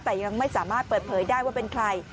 แต่ยังไม่สามารถเปิดเผยได้ว่าเป็นใคร